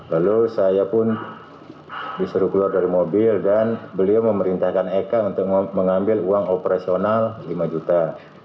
lalu saya pun disuruh keluar dari mobil dan beliau memerintahkan eka untuk mengambil uang operasional lima juta